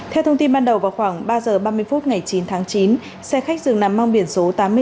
theo thông tin ban đầu vào khoảng ba h ba mươi phút ngày chín tháng chín xe khách dừng nằm mang biển số tám mươi sáu b một nghìn chín mươi hai